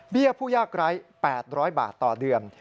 เบี้ยผู้ยากร้าย๘๐๐บาทต่อเดือน